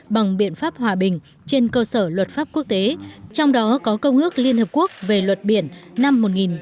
bằng biện pháp hòa bình trên cơ sở luật pháp quốc tế trong đó có công ước liên hợp quốc về luật biển năm một nghìn chín trăm tám mươi hai